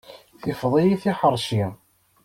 Tifeḍ-iyi tiḥeṛci.